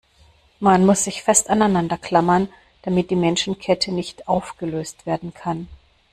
Man muss sich fest aneinander klammern, damit die Menschenkette nicht aufgelöst werden kann.